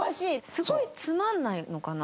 すごいつまんないのかな？